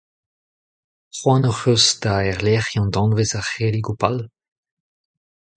Cʼhoant hocʼh eus da erlecʼhiañ danvez ar cʼhelligoù pal?